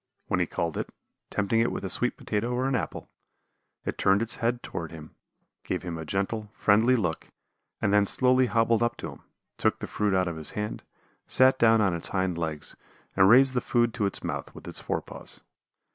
When he called it, tempting it with a sweet potato or an apple, it turned its head toward him, gave him a gentle, friendly look and then slowly hobbled up to him, took the fruit out of his hand, sat down on its hind legs and raised the food to its mouth with its fore paws.